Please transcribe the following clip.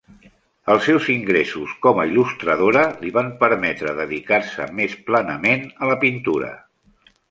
Els seus ingressos com a il·lustradora li van permetre dedicar-se més plenament a la pintura.